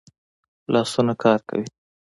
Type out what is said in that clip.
لاسونه کار کوي